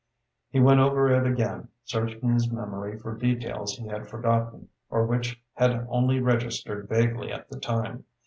He went over it again, searching his memory for details he had forgotten or which had only registered vaguely at the time.